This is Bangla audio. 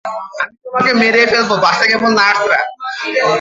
আমি তোমাকে মেরে ফেলবো বাসে কেবল নার্সরা।